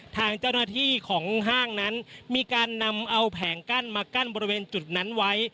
ทางเจ้าหน้าที่ของห้างนั้นมีการนำเอาแผงกั้นมากั้นบริเวณจุดนั้นไว้